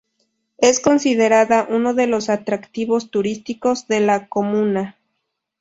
Es considerada uno de los atractivos turísticos de la comuna.